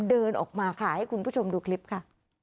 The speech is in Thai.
เดินออกมาค่ะให้คุณผู้ชมดูคลิปค่ะ